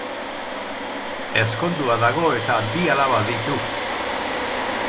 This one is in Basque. Ezkondua dago, eta bi alaba ditu.